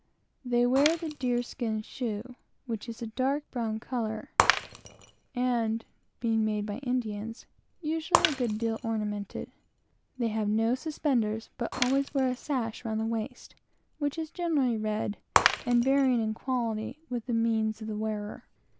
They wear the deer skin shoe, which is of a dark brown color, and, (being made by Indians,) usually a good deal ornamented. They have no suspenders, but always wear a sash round the waist, which is generally red, and varying in quality with the means of the wearer.